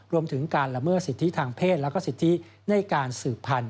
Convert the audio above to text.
รวมถึงการละเมิดสิทธิทางเพศและก็สิทธิในการสืบพันธ